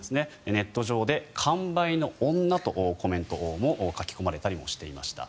ネット上で完売の女とコメントも書き込まれたりしていました。